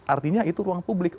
artinya itu ruang publik